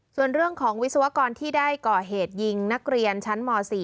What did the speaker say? ส่วนเรื่องของวิศวกรที่ได้ก่อเหตุยิงนักเรียนชั้นม๔